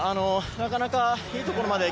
なかなか、いいところまでは